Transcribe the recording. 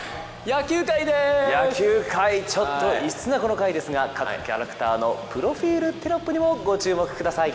野球回ちょっと異質なこの回ですが各キャラクターのプロフィールテロップにもご注目ください。